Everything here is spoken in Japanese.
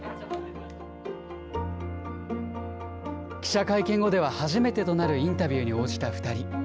記者会見後では初めてとなるインタビューに応じた２人。